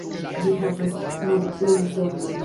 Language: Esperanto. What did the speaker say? Ĝi havas nur unu formon.